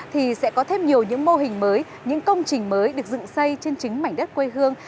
thì sẽ có thêm nhiều những mô hình mới những công trình mới được dựng xây trên chính mảnh đất quê hương